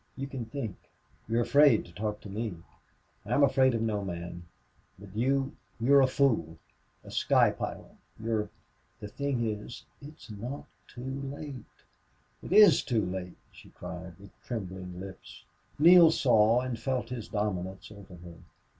You can think. You're afraid to talk to me." "I'm afraid of no man. But you you're a fool a sky pilot. You're " "The thing is it's not too late." "It is too late!" she cried, with trembling lips. Neale saw and felt his dominance over her.